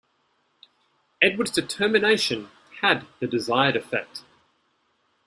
Edward's determination had the desired effect.